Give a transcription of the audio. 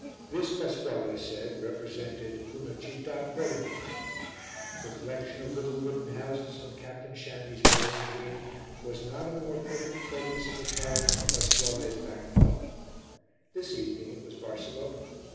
This, Pasquale said, represented "una citta qualunque." The collection of little wooden houses on Captain Shandy's bowling green was not a more perfect Proteus of a town than Pasquale's back cloth. This evening it was Barcelona.